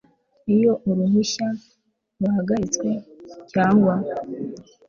iyo uruhushya ruhagaritswe cyangwa